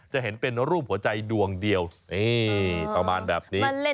จะเห็นเป็นรูปหัวใจดวงเดียวประมาณแบบนี้